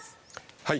はい。